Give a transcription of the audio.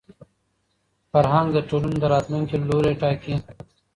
فرهنګ د ټولني د راتلونکي لوری ټاکي.